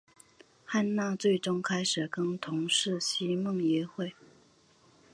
汉娜最终开始跟同事西蒙约会。